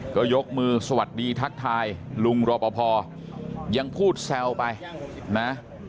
ก็ยกมือสวัสดีทักทายลุงรอปภยังพูดแซวไปนะ